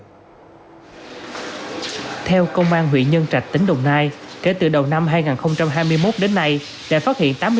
theo công an huyện nhân trạch tỉnh đồng nai kể từ đầu năm hai nghìn hai mươi một đến nay